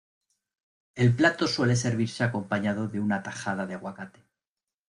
El plato suele servirse acompañado de una tajada de aguacate.